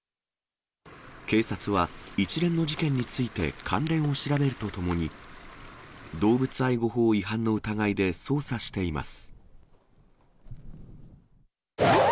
警察は、一連の事件について関連を調べるとともに、動物愛護法違反の疑いで捜査しています。